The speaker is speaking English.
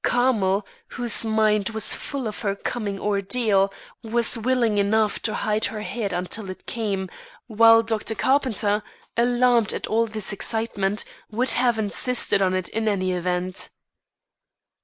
Carmel, whose mind was full of her coming ordeal, was willing enough to hide her head until it came; while Dr. Carpenter, alarmed at all this excitement, would have insisted on it in any event.